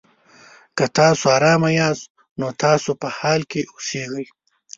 که تاسو ارامه یاست؛ نو تاسو په حال کې اوسېږئ.